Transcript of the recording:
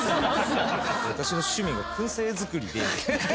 私の趣味が薫製作りで。